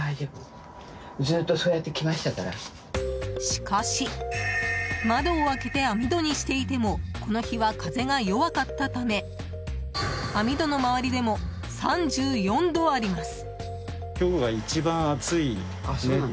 しかし、窓を開けて網戸にしていてもこの日は風が弱かったため網戸の周りでも３４度あります。